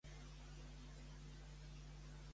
Podries augmentar un xic la potència de la música?